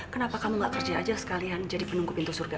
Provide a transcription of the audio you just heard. kenapa kamu gak kerja aja sekalian jadi penunggu pintu surga